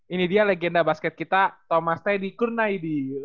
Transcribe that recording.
ini dia legenda basket kita thomas teddy kurnaidi